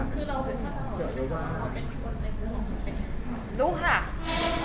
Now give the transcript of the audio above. คือเรารู้หรือเป็นคนในกลุ่ม